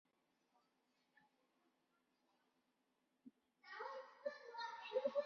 这些设备通常采用磁探测器确定杆的位置。